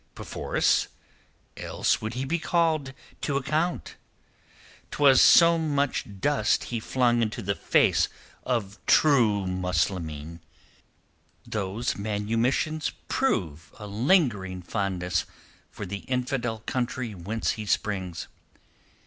"Perforce, else would he be called to account. 'Twas so much dust he flung into the face of true Muslimeen. Those manumissions prove a lingering fondness for the infidel country whence he springs.